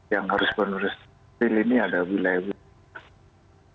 yang harus penulis pil ini ada wilayah yang